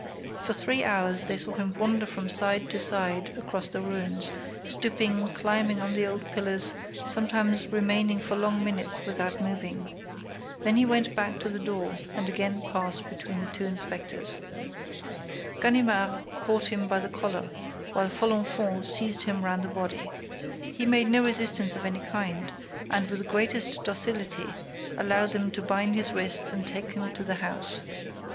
For three hours, they saw him wander from side to side across the ruins, stooping, climbing up the old pillars, sometimes remaining for long minutes without moving. Then he went back to the door and again passed between the two inspectors. Ganimard caught him by the collar, while Folenfant seized him round the body. He made no resistance of any kind and, with the greatest docility, allowed them to bind his wrists and take him to the house.